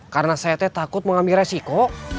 karena saya teh takut mengambil resiko